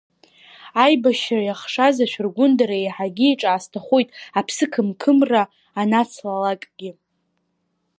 Аибашьра иахшаз ашәыргәындара еиҳагьы иҿаасҭахоит аԥсықымқымра анацлалакгьы.